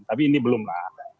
tapi ini belum lah